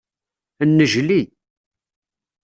Nnejli.